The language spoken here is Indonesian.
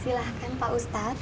silahkan pak ustadz